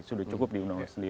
sudah cukup diundangkan sendiri